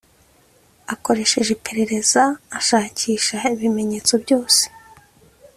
akoresheje iperereza ashakisha ibimenyetso byose